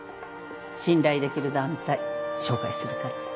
信頼できる団体紹介するから。